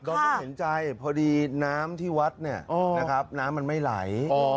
เราต้องเห็นใจพอดีน้ำที่วัดเนี่ยน้ำมันไม่ไหล